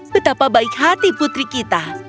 betapa baik hati putri kita